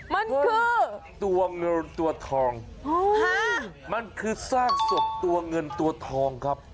มันคือตัวเงินตัวทองมันคือซากศพตัวเงินตัวทองครับ